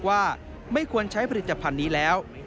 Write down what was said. ว่าไม่ควรใช้ผลิตธรรพันธุ์นี้แล้ว